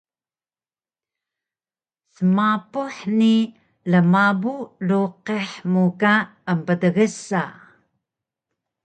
Smapuh ni lmabu luqih mu ka emptgsa